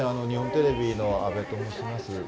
日本テレビの阿部と申します。